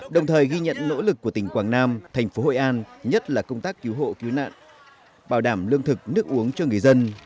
đồng thời ghi nhận nỗ lực của tỉnh quảng nam thành phố hội an nhất là công tác cứu hộ cứu nạn bảo đảm lương thực nước uống cho người dân